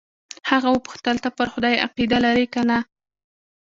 هغه وپوښتل ته پر خدای عقیده لرې که نه.